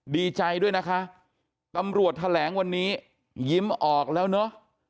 ดีใจด้วยนะคะตำรวจแถลงวันนี้ยิ้มออกแล้วเนอะ